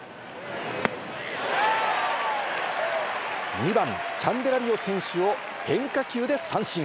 ２番・キャンデラリオ選手を変化球で三振。